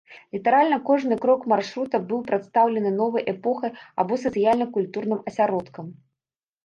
Літаральна кожны крок маршрута быў прадстаўлены новай эпохай або сацыяльна-культурным асяродкам.